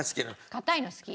硬いの好き。